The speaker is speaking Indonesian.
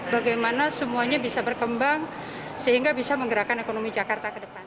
bagaimana semuanya bisa berkembang sehingga bisa menggerakkan ekonomi jakarta ke depan